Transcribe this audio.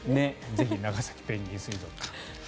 ぜひ長崎ペンギン水族館。